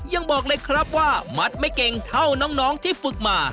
ยังบอกเลยครับว่ามัดไม่เก่งเท่าน้องที่ฝึกมา